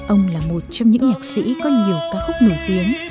ông là một trong những nhạc sĩ có nhiều ca khúc nổi tiếng